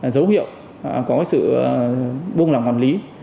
dấu hiệu có sự buông lỏng quản lý